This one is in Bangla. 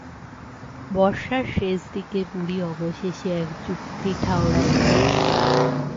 বর্ষার শেষদিকে বুড়ি অবশেষে এক যুক্তি ঠাওরাইল।